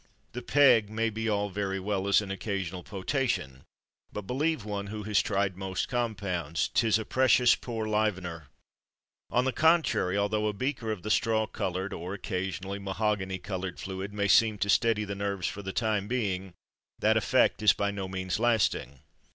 The "peg" may be all very well as an occasional potation, but, believe one who has tried most compounds, 'tis a precious poor "livener." On the contrary, although a beaker of the straw coloured (or occasionally, mahogany coloured) fluid may seem to steady the nerves for the time being, that effect is by no means lasting.